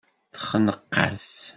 Texneq-as.